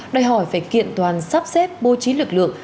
đòi hỏi phải kiện toàn sắp xếp bố trí lực lượng